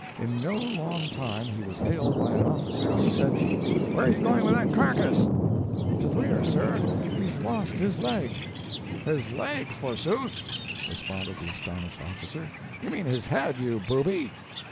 In no long time he was hailed by an officer, who said: "Where are you going with that carcass?" "To the rear, sir he's lost his leg!" "His leg, forsooth?" responded the astonished officer; "you mean his head, you booby."